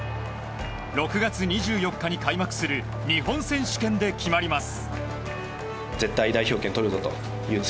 ６月２４日に開幕する日本選手権で決まります。